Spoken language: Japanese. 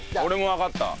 わかった。